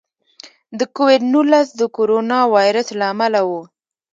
د کوویډ نولس د کورونا وایرس له امله و.